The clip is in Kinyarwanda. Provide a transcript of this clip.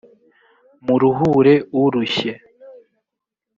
muruhure urushye.